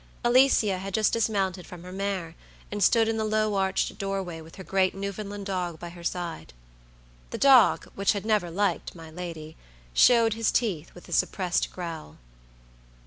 Alicia had just dismounted from her mare, and stood in the low arched doorway, with her great Newfoundland dog by her side. The dog, which had never liked my lady, showed his teeth with a suppressed growl.